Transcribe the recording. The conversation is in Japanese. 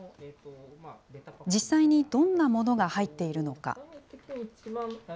実際にどんなものが入っているのか。